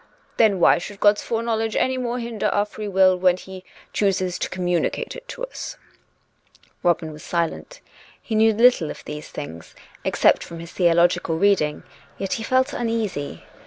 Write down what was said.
Then why should God's foreknowledge any more hinder our free will, when He chooses to communicate it to us .''" Robin was silent. He knew little or nothing of these things, except from his theological reading. Yet he felt uneasy.